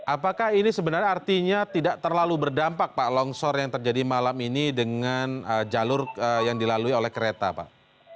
apakah ini sebenarnya artinya tidak terlalu berdampak pak longsor yang terjadi malam ini dengan jalur yang dilalui oleh kereta pak